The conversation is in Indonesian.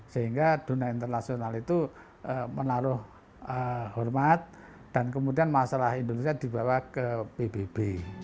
sehingga dunia internasional itu menaruh hormat dan kemudian masalah indonesia dibawa ke pbb